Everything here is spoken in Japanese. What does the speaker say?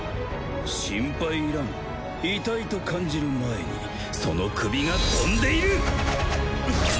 心配いらん痛いと感じる前にその首が飛んでいる！